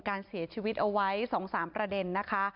การเสียชีวิตเอาไว้๒๓ประเด็นนะคะ